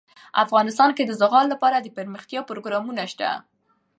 افغانستان کې د زغال لپاره دپرمختیا پروګرامونه شته.